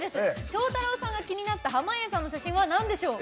ショウタロウさんが気になった濱家さんの写真はなんでしょう？